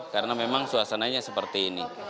karena memang suasananya seperti ini